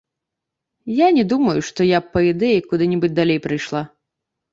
Я не думаю, што я б па ідэі куды-небудзь далей прайшла.